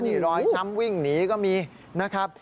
นี่รอยช้ำวิ่งหนีก็มีนะครับ